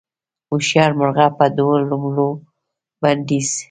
هوښیار مرغه په دوو لومو بندیږي